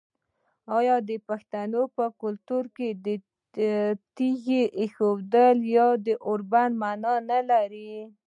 آیا د پښتنو په کلتور کې د تیږې ایښودل د اوربند معنی نلري؟